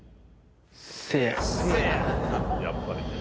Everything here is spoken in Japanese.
やっぱりね。